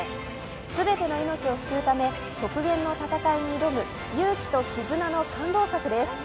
全ての命を救うため極限の戦いに挑む勇気と絆の感動作です。